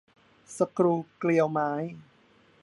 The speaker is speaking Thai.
สกรูเกลียวไม้